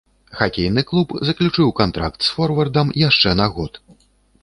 Хакейны клуб заключыў кантракт з форвардам яшчэ на год.